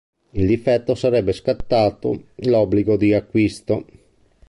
In difetto sarebbe scattato l'obbligo di acquisto.